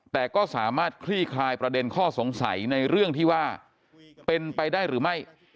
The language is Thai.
แต่ก็สามารถคลี่คลายประเด็นข้อสงสัยในเรื่องที่ว่าเป็นไปได้หรือไม่